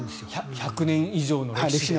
１００年以上の歴史で。